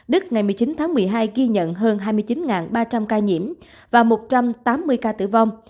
đức ngày một mươi chín tháng một mươi hai ghi nhận hơn hai mươi chín ba trăm linh ca nhiễm và một trăm tám mươi ca tử vong